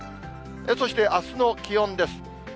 そしてあすの気温です。